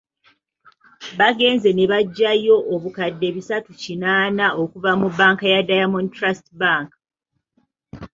Bagenze ne bagyayo obukadde bisatu kinaana okuva mu banka ya Diamond Trust Bank